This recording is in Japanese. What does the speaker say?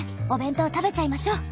お弁当食べちゃいましょ。